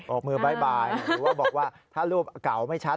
ออกมือบ๊ายหรือว่าบอกว่าถ้ารูปเก่าไม่ชัด